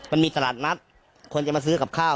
มันมีตลาดนัดคนจะมาซื้อกับข้าว